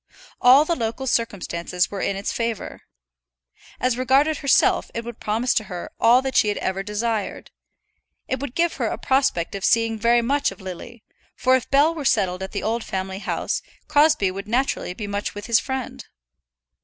All the local circumstances were in its favour. As regarded herself it would promise to her all that she had ever desired. It would give her a prospect of seeing very much of Lily; for if Bell were settled at the old family house, Crosbie would naturally be much with his friend.